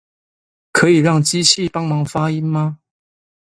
可以讓機器幫忙發音嗎